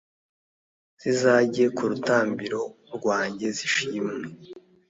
zizajye ku rutambiro rwanjye, zishimwe.